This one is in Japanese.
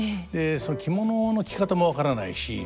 その着物の着方も分からないし。